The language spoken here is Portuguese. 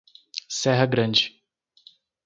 Serra Grande